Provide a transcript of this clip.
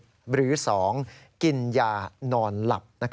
หรือ๒กินยานอนหลับ